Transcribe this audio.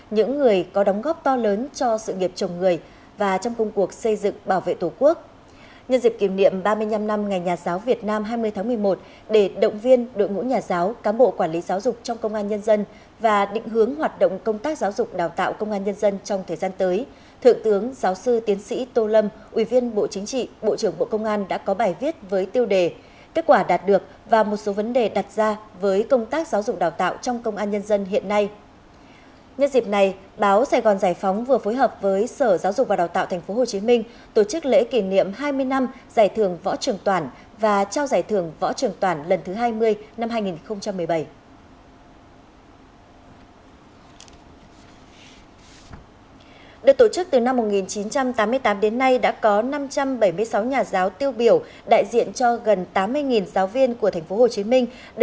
nhưng ít ai có thể ngờ rằng người phụ nữ ấy đã đặt chân đến nhiều quốc gia trên thế giới